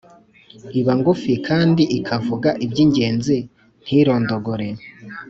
iba ngufi kandi ikavuga iby’ingenzi ntirondogore